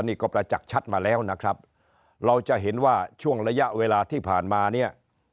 นี่ก็ประจักษ์ชัดมาแล้วนะครับเราจะเห็นว่าช่วงระยะเวลาที่ผ่านมาเนี่ย